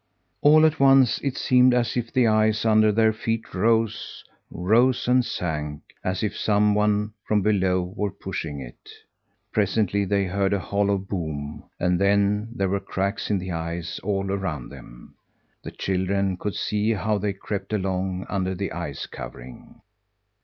All at once it seemed as if the ice under their feet rose rose and sank, as if some one from below were pushing it. Presently they heard a hollow boom, and then there were cracks in the ice all around them. The children could see how they crept along under the ice covering.